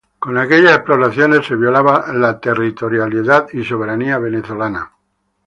Con aquellas exploraciones se violaba la territorialidad y soberanía venezolana.